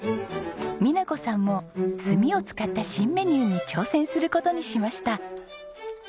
美奈子さんも炭を使った新メニューに挑戦する事にしました。